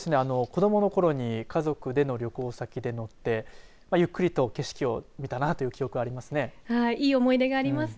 子どものころに家族での旅行先で乗ってゆっくりと景色を見たなという記憶があります。